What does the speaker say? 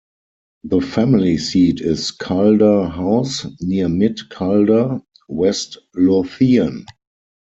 The family seat is Calder House, near Mid Calder, West Lothian.